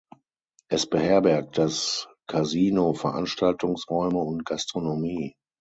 Es beherbergt das Casino, Veranstaltungsräume und Gastronomie.